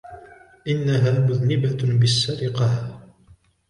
انها مذنبه بالسرقه.